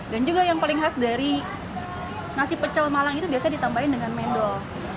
dan juga yang paling khas dari nasi pecel malang itu biasanya ditambahin dengan mendol